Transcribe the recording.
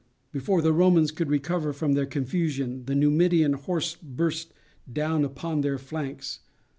Before the Romans could recover from their confusion the Numidian horse burst down upon their flanks.